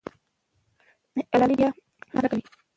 ملالۍ به بیا ناره کوي.